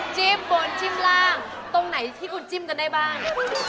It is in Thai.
จิ้มบนจิ้มล่างตรงไหนที่คุณจิ้มกันได้บ้าง